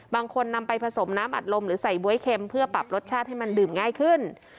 บางคนนำไปผสมน้ำอัดลมหรือใส่บ๊วยเค็มเพื่อปรับรสชาติให้มันดื่มง่ายขึ้น